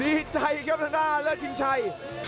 ดีใจครับท่านท่านท่านเลือดชิงชัย